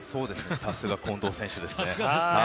さすが近藤選手ですね。